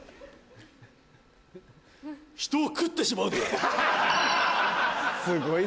人を食ってしまうという！